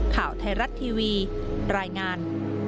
ข่าวไทยรัฐทีวีรายงาน